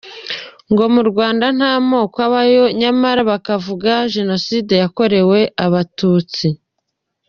– Ngo mu Rwanda nta moko abayo nyamara hakavuga génocide yakorewe abatutsi ;